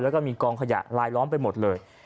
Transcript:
แล้วก็มีกองขยะลายล้อมไปหมดเลย